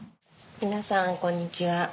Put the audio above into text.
皆さんこんにちは。